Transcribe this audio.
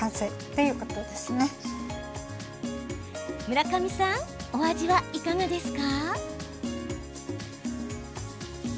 村上さん、お味はいかがですか？